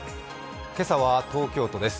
今朝は東京都です。